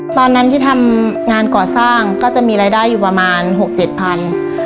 ตอนนั้นที่ทำงานก่อสร้างก็จะมีรายได้อยู่ประมาณ๖๗พัน